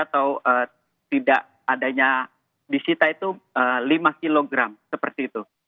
atau tidak adanya disita itu lima kg seperti itu